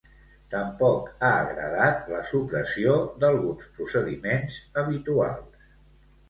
Tampoc ha agradat la supressió d'alguns procediments habituals.